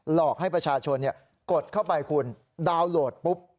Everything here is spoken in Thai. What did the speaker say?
หลอกให้ประชาชนกดเข้าไปคุณดาวน์โหลดปุ๊บ